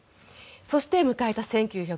そして、迎えた